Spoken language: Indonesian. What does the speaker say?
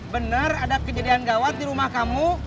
benar ada kejadian gawat di rumah kamu